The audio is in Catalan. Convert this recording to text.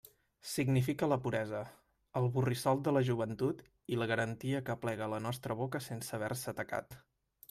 Significa la puresa, el borrissol de la joventut i la garantia que aplega a la nostra boca sense haver-se tacat.